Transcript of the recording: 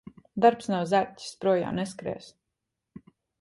Darbs nav zaķis – projām neskries.